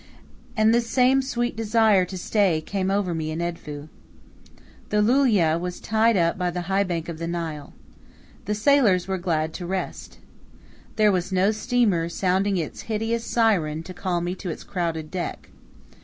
And this same sweet desire to stay came over me in Edfu. The Loulia was tied up by the high bank of the Nile. The sailors were glad to rest. There was no steamer sounding its hideous siren to call me to its crowded deck.